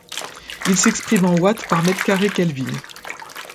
Il s'exprime en watts par mètre carré-kelvin.